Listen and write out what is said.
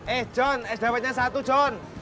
eh john es dawetnya satu john